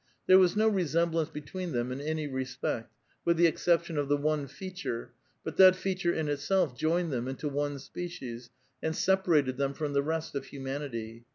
There was no resemblance between them in any respect, with the exception of the one feature, but that feature, in itself, joined them into one species, and separated them from the rest of humanity.